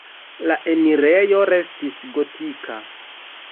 La enirejo restis gotika.